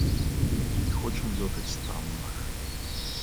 І хочам лётаць танна.